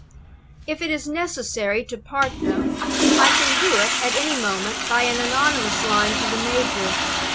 If it is necessary to part them, I can do it at any moment by an anonymous line to the major.